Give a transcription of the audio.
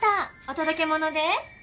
お届け物です。